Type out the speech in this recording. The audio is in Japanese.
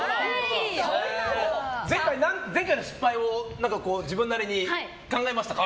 前回の失敗を自分なりに考えましたか？